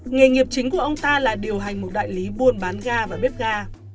nghề nghiệp chính của ông ta là điều hành một đại lý buôn bán ga và bếp ga